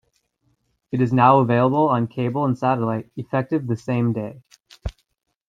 It is now available on cable and satellite effective the same day.